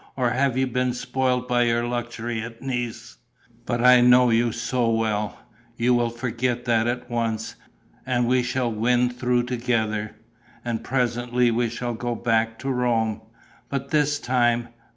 Or have you been spoilt by your luxury at Nice? But I know you so well: you will forget that at once; and we shall win through together. And presently we shall go back to Rome. But this time